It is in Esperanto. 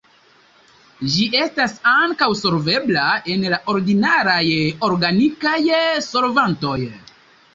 Ĝi estas ankaŭ solvebla en la ordinaraj organikaj solvantoj.